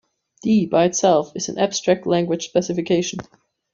D by itself is an abstract language specification.